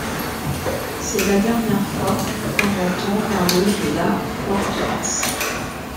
C'est la dernière fois qu'on entend parler de la forteresse.